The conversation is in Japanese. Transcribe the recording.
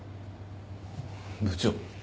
部長。